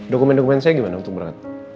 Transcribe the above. dokumen dokumen saya gimana untuk berangkat